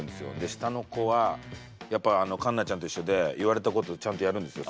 下の子はやっぱりかんなちゃんと一緒で言われたことちゃんとやるんですよ。